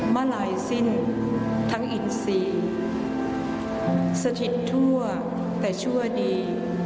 มาลายสิ้นทั้งอินซีสถิตทั่วแต่ชั่วดี